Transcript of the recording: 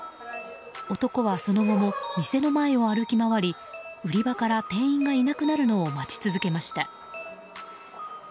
男はその後も店の前を歩き回り売り場から店員がいなくなるのを待ち続けました。